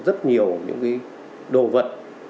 rất nhiều đồ vật